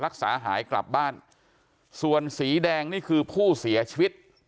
รักษาหายกลับบ้านส่วนสีแดงนี่คือผู้เสียชีวิต